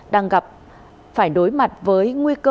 đang gặp phải đối mặt với các nền kinh tế phát triển